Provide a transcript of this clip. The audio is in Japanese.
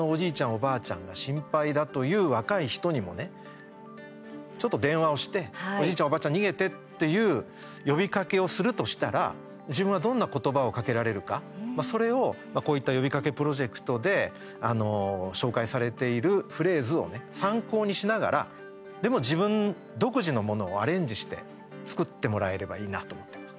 おばあちゃんが心配だという若い人にもねちょっと電話をしておじいちゃん、おばあちゃん逃げて！っていう呼びかけをするとしたら自分はどんな言葉をかけられるかそれを、こういった呼びかけプロジェクトで紹介されているフレーズをね、参考にしながらでも自分独自のものをアレンジして作ってもらえればいいなと思ってます。